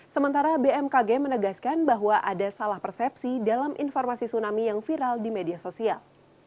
sementara bmkg menegaskan bahwa ada salah persepsi dalam informasi tsunami yang viral di media sosial